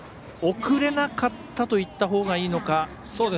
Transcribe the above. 送れなかったといったほうがいいのか。